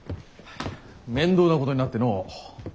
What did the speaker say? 面倒なことになってのう。